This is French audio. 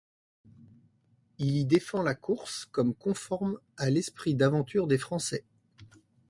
Il y défend la course, comme conforme à l'esprit d'aventure des Français.